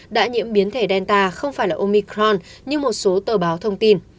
đã nhiễm biến thể delta không phải là omicron như một số tờ báo thông tin